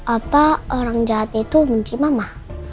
apa orang jahat itu benci mama